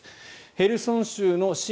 ヘルソン州の親